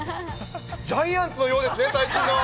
ジャイアンツのようですね、最近の。